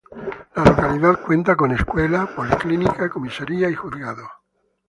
La localidad cuenta con escuela, policlínica, comisaría y juzgado.